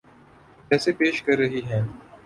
جسے پیش کر رہی ہیں